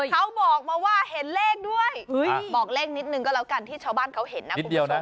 เขาบอกมาว่าเห็นเลขด้วยบอกเลขนิดนึงก็แล้วกันที่ชาวบ้านเขาเห็นนะคุณผู้ชมนะ